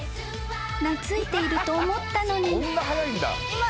［懐いていると思ったのに］